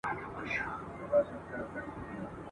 چي په تیاره کي عدالت غواړي !.